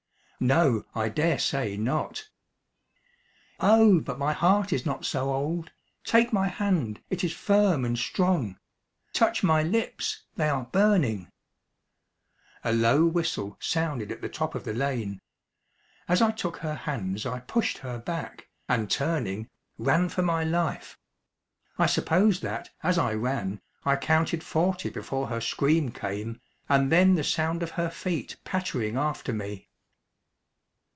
"No, I daresay not." "Oh, but my heart is not so old! Take my hand it is firm and strong; touch my lips they are burning " A low whistle sounded at the top of the lane. As I took her hands I pushed her back, and turning, ran for my life. I suppose that, as I ran, I counted forty before her scream came, and then the sound of her feet pattering after me.